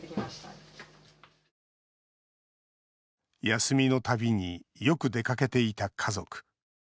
休みのたびによく出かけていた家族。